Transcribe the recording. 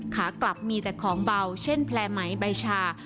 ขากลับมีแต่ของเบาเช่นแผลไหมใบชา